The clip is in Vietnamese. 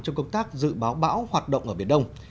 trong công tác dự báo bão hoạt động ở biển đông